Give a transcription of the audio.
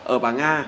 ở bảng a